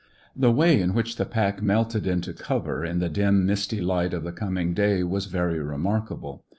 The way in which the pack melted into cover in the dim, misty light of the coming day was very remarkable.